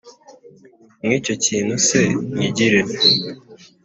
Nk'icyo kintu se nkigire nte?